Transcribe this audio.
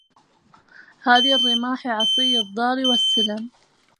هذي الرماح عصي الضال والسلم